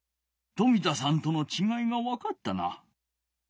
冨田さんとのちがいがわかったな！